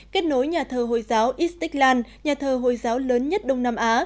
kết nối nhà thờ hồi giáo istiklan nhà thờ hồi giáo lớn nhất đông nam á